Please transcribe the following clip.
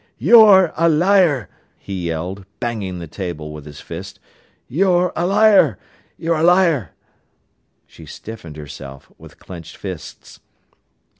"You're a liar!" he yelled, banging the table with his fist. "You're a liar, you're a liar." She stiffened herself, with clenched fists.